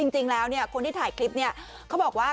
จริงแล้วคนที่ถ่ายคลิปเนี่ยเขาบอกว่า